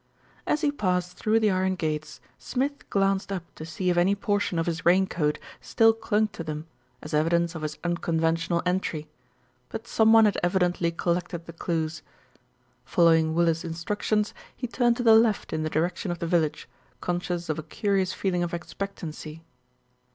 As he passed through the iron gates, Smith glanced up to see if any portion of his rain coat still clung to them, as evidence of his unconventional entry; but some one had evidently collected the clues. Following Willis' instructions, he turned to the left in the direction of the village, conscious of a curious feeling of expectancy.